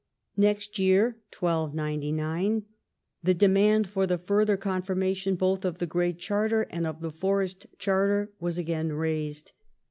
Next year (1299) the demand for the further con firmation both of the Great Charter and of the Forest Charter was again raised.